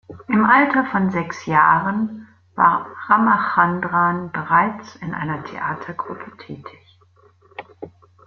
Im Alter von sechs Jahren war Ramachandran bereits in einer Theatergruppe tätig.